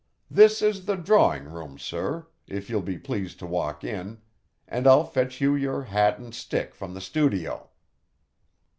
This is the drawing room, sir, if you'll be pleased to walk in, and I'll fetch you your hat and stick from the studio."